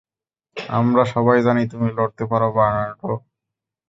আমরা সবাই জানি, তুমি লড়তে পারো, বার্নার্ডো।